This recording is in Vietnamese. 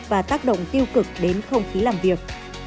và tác động tiêu cực đến không khí làm việc